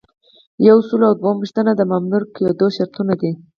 یو سل او دوهمه پوښتنه د مامور کیدو شرطونه دي.